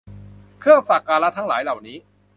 เครื่องสักการะทั้งหลายเหล่านี้